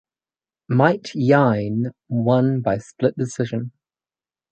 Mite Yine won by split decision.